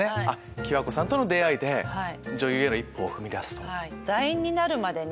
喜和子さんとの出会いで女優への一歩を踏み出す。